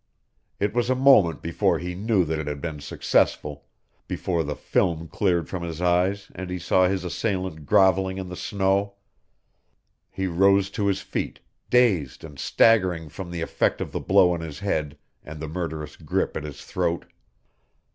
It was a moment before he knew that it had been successful, before the film cleared from his eyes and he saw his assailant groveling in the snow. He rose to his feet, dazed and staggering from the effect of the blow on his head and the murderous grip at his throat.